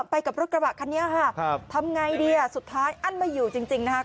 ไปกับรถกระบะคันนี้ค่ะครับทำไงดีอ่ะสุดท้ายอั้นไม่อยู่จริงนะคะ